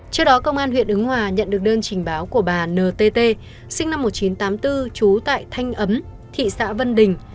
trước đó công an huyện ứng hòa nhận được đơn trình báo của bà ntt sinh năm một nghìn chín trăm tám mươi bốn trú tại thanh ấm thị xã vân đình